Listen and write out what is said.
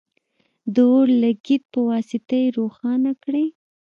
د اور لګیت په واسطه یې روښانه کړئ.